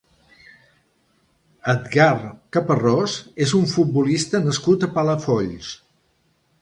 Edgar Caparrós és un futbolista nascut a Palafolls.